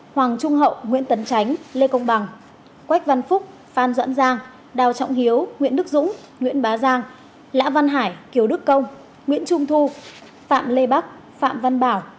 hoàng trung hậu nguyễn tấn tránh lê công bằng quách văn phúc phan doãn giang đào trọng hiếu nguyễn đức dũng nguyễn bá giang lã văn hải kiều đức công nguyễn trung thu phạm lê bắc phạm văn bảo